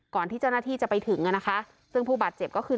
ที่เจ้าหน้าที่จะไปถึงอ่ะนะคะซึ่งผู้บาดเจ็บก็คือ